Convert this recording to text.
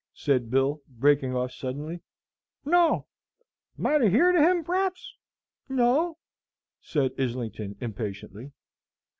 said Bill, breaking off suddenly. "No." "Might have heerd of him, p'r'aps?" "No," said Islington, impatiently.